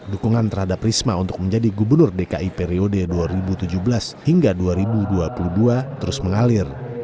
dukungan terhadap risma untuk menjadi gubernur dki periode dua ribu tujuh belas hingga dua ribu dua puluh dua terus mengalir